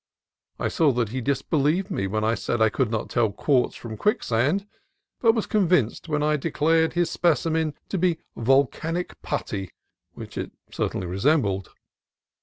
I saw that he disbelieved me when I said that I could not tell quartz from quicksand, but was convinced when I declared his specimen to be volcanic putty, which it certainly resembled.